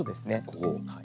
ここ。